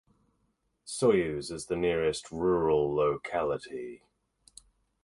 Soyuz is the nearest rural locality.